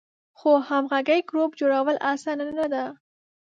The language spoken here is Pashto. خو همغږی ګروپ جوړول آسانه نه ده.